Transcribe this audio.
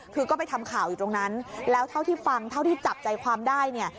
คือก็ไปทำข่าวอยู่ตรงนั้นแล้วเท่าที่ฟังเท่าที่จับใจความได้เนี่ย